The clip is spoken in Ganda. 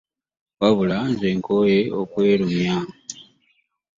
Wabula nze nkooye okwerumya.